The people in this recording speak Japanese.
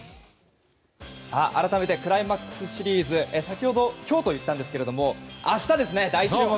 改めてクライマックスシリーズ先ほど、今日と言ったんですが明日ですね。